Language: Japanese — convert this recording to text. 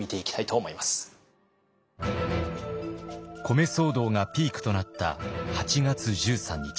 米騒動がピークとなった８月１３日。